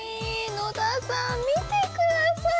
野田さん見てください